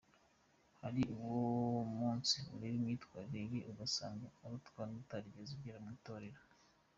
Hari uwo uyu munsi ureba imyitwarire ye ugasanga arutwa n’ utarigeze agera mu itorero”.